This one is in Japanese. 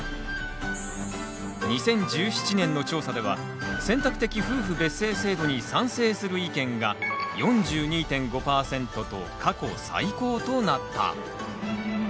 ２０１７年の調査では選択的夫婦別姓制度に賛成する意見が４２．５％と過去最高となった。